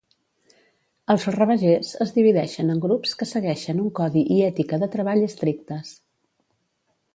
Els Ravagers es divideixen en grups que segueixen un codi i ètica de treball estrictes.